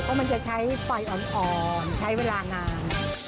เพราะมันจะใช้ไฟอ่อนใช้เวลานาน